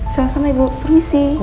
sama sama ibu permisi